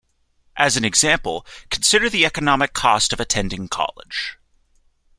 As an example, consider the economic cost of attending college.